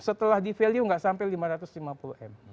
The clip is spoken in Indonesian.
setelah di value nggak sampai lima ratus lima puluh m